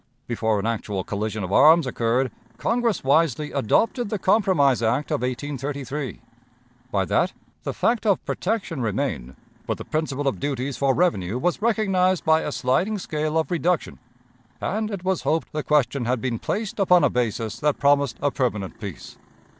Before an actual collision of arms occurred, Congress wisely adopted the compromise act of 1833. By that the fact of protection remained, but the principle of duties for revenue was recognized by a sliding scale of reduction, and it was hoped the question had been placed upon a basis that promised a permanent peace.